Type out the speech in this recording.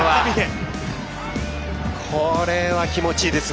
これは気持ちいいですね。